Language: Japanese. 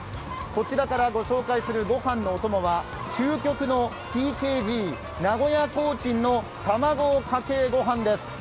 こちらからご紹介するご飯のお供は究極のＴＫＧ、名古屋コーチンの卵かけご飯です。